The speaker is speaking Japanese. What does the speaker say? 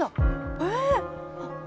えっ？